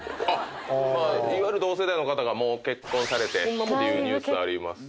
まあいわゆる同世代の方がもう結婚されてっていうニュースあります。